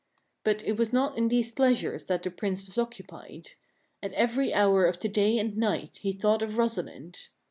But it was not in these pleasures that the Prince was occupied. At every hour of the day and night he thought of Rosalind.